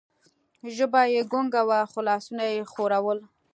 ژبه یې ګونګه وه، خو لاسونه یې ښورول.